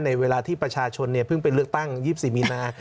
ในเวลาที่ประชาชนเนี่ยเพิ่งเป็นเลือกตั้ง๒๔มีนา